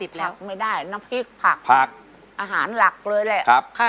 พักไม่ได้น้ำพริกพักอาหารหลักเลยเลย